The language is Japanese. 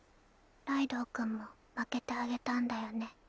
ライドウ君も負けてあげたんだよね。